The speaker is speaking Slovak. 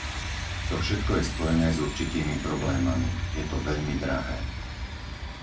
To všetko je spojené s určitými problémami - je to veľmi drahé.